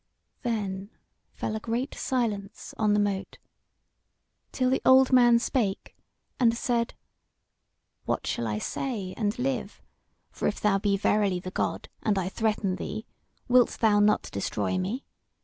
Then fell a great silence on the Mote, till the old man spake and said: "What shall I say and live? For if thou be verily the God, and I threaten thee, wilt thou not destroy me?